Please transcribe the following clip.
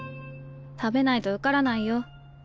食べないと受からないよ。